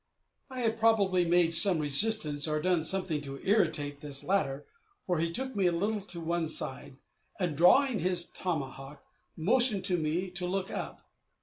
I had probably made some resistance, or done something to irritate this latter, for he took me a little to one side, and drawing his tomahawk, motioned to me to look up.